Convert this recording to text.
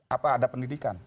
apa ada pendidikan